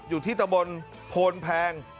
อยู่ที่ตะบนโพนแพง